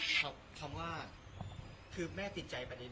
คาดว่าเขาคงจะหมดอาหาร